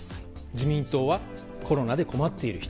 自民党はコロナで困っている人。